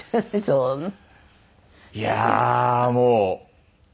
いやあもう。